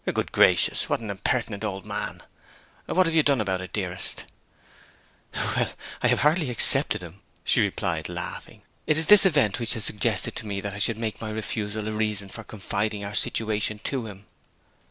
'Good gracious, what an impertinent old man! What have you done about it, dearest?' 'Well, I have hardly accepted him,' she replied, laughing. 'It is this event which has suggested to me that I should make my refusal a reason for confiding our situation to him.'